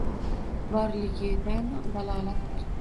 borligidan dalolatdir.